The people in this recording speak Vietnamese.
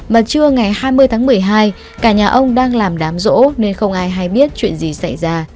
mà trưa ngày hai mươi tháng một mươi hai cả nhà ông đang làm đám rỗ nên không ai hay biết chuyện gì xảy ra